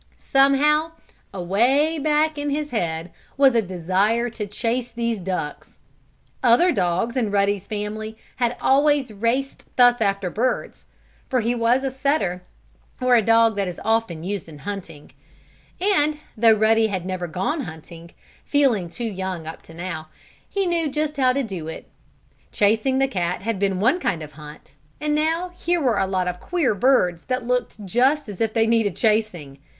Somehow away back in his head was a desire to chase these ducks. Other dogs in Ruddy's family had always raced thus after birds; for he was a setter, or dog that is often used in hunting. And, though Ruddy had never gone hunting, feeling too young up to now, he knew just how to do it. Chasing the cat had been one kind of a hunt, and now here were a lot of queer birds that looked just as if they needed chasing.